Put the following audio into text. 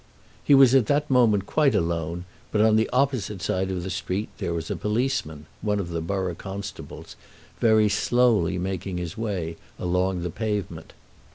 He was at that moment quite alone, but on the opposite side of the street there was a policeman, one of the borough constables, very slowly making his way along the pavement.